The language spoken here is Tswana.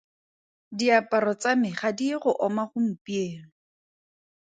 Diaparo tsa me ga di ye go oma gompieno.